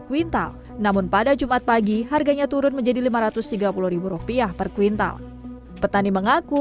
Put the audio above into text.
kuintal namun pada jumat pagi harganya turun menjadi lima ratus tiga puluh rupiah per kuintal petani mengaku